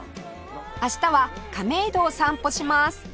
明日は亀戸を散歩します